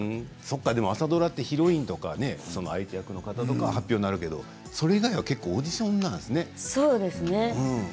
朝ドラはヒロインとか相手役の方とか発表になるけどそれ以外はオーディションなんですね。